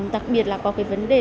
đặc biệt là có cái vấn đề